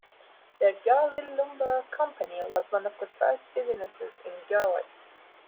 The Gurley Lumber Company was one of the first businesses in Gurley.